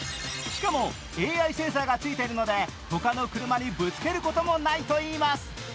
しかもＡＩセンサーがついているので他の車にぶつけることもないといいます。